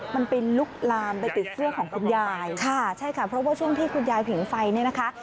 มันไปลุกลามไปติดเสื้อของคุณยายค่ะใช่ค่ะเพราะว่าช่วงที่คุณยายผิงไฟเนี่ยนะคะ